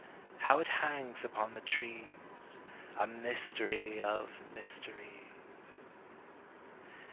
How it hangs upon the trees, A mystery of mysteries!